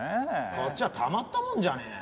こっちはたまったもんじゃねえよ。